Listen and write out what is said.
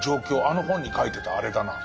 あの本に書いてたあれだな」。